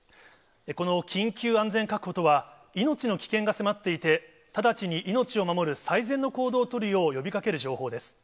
この緊急安全確保とは、命の危険が迫っていて、直ちに命を守る最善の行動を取るよう呼びかける情報です。